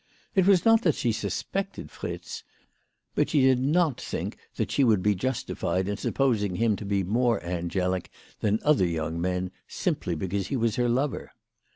It was not that she suspected Fritz ; but she did not think that she would be justified in supposing him to be more angelic than other young men simply because he was her lover.